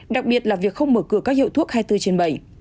đặc biệt là việc không mở cửa các hiệu thuốc hai mươi bốn trên bảy